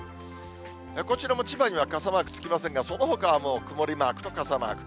こちらも千葉には傘マークつきませんが、そのほかは曇りマークと傘マーク。